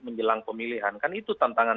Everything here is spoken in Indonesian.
menjelang pemilihan kan itu tantangan